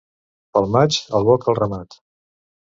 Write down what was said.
Pel maig, el boc al ramat.